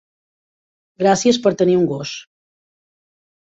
Gràcies per tenir un gos.